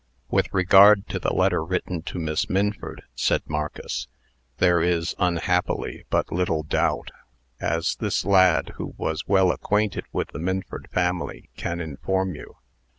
"With regard to the letter written to Miss Minford," said Marcus, "there is, unhappily, but little doubt; as this lad, who was well acquainted with the Minford family, can inform you."